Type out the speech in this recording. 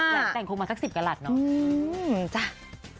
แต่งคงมาสัก๑๐กระหลัดเนาะ